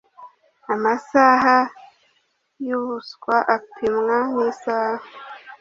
Amasaha yubuswa apimwa nisaha;